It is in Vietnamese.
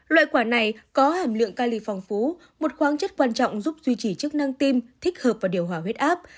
loại quả này có hàm lượng cali phong phú một khoáng chất quan trọng giúp duy trì chức năng tim thích hợp và điều hòa huyết áp